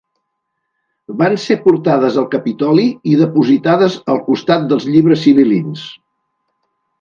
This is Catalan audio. Van ser portades al Capitoli i depositades al costat dels llibres sibil·lins.